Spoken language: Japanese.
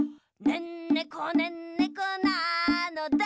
「ねんねこねんねこなのだ」